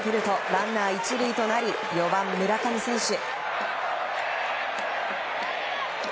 ランナー１塁となり４番、村上選手。